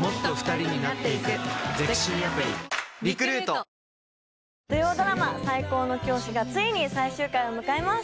俺がこの役だったのに土曜ドラマ『最高の教師』がついに最終回を迎えます。